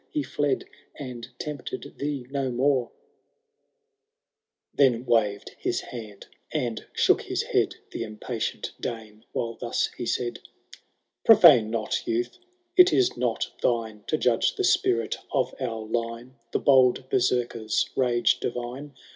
He fled and tempted thee no more ! VIII. Then waved his hand, and shook his head The impatient Dane, while thus he said :^ Pro&ne not, youths — it is not thine To judge the spirit of our line — The bold Berserkar^ rage divine.